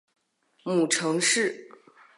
母程氏。